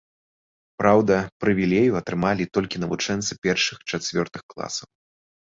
Праўда, прывілею атрымалі толькі навучэнцы першых-чацвёртых класаў.